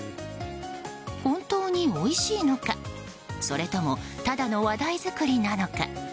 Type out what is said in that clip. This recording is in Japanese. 本当においしいのかそれとも、ただの話題作りなのか。